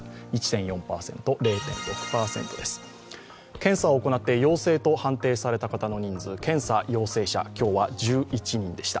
検査を行って陽性と判定された方の人数、検査陽性者、今日は１１人でした。